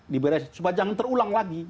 diberes supaya jangan terulang lagi